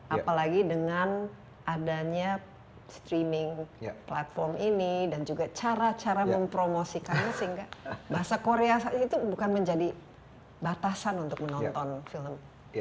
apalagi dengan adanya streaming platform ini dan juga cara cara mempromosikannya sehingga bahasa korea itu bukan menjadi batasan untuk menonton film